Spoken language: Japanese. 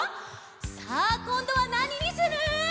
さあこんどはなににする？